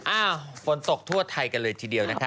อ้าวฝนตกทั่วไทยกันเลยทีเดียวนะคะ